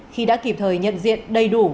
khi đã kịp thời nhận diện đầy đủ